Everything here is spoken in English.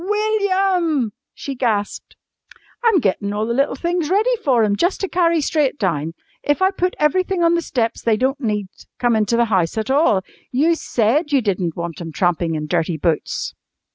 "WILLIAM!" she gasped. "I'm gettin' all the little things ready for 'em jus' to carry straight down. If I put everything on the steps they don't need come into the house at all. You said you didn't want 'em trampin' in dirty boots!"